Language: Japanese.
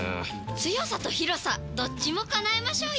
強さと広さどっちも叶えましょうよ！